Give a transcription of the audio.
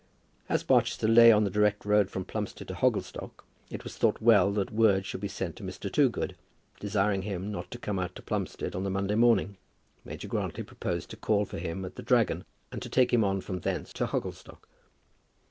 As Barchester lay on the direct road from Plumstead to Hogglestock, it was thought well that word should be sent to Mr. Toogood, desiring him not to come out to Plumstead on the Monday morning. Major Grantly proposed to call for him at "The Dragon," and to take him on from thence to Hogglestock.